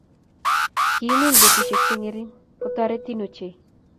Kimuny betushiek chengering kotoretin ochei